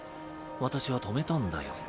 私は止めたんだよ。